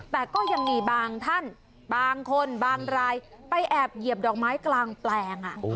แต่ก็ยังมีบางท่านบางคนบางรายไปแอบเหยียบดอกไม้กลางแปลง